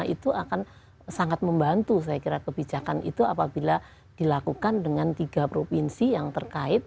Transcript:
itu akan sangat membantu saya kira kebijakan itu apabila dilakukan dengan tiga provinsi yang terkait